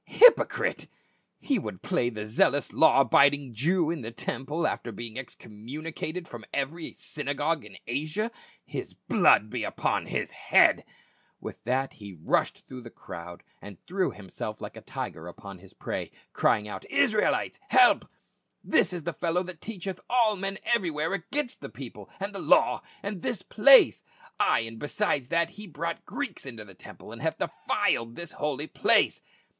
Hypocrite ! he would play the zeal ous law abiding Jew in the temple after being excom municated from every synagogue in Asia. His blood be upon his head !" With that he rushed through the crowd and threw * 1. Tim. i., 20; and II. Tim. iv., 14. "DESPISED AND REJECTED." 887 himself like a tiger upon his prey, crying out, " Israel ites, help ! This is the fellow that teacheth all men everywhere against the people, and the law, and this place ! Ay, and besides that, he brought Greeks into the temple, and hath defiled this holy place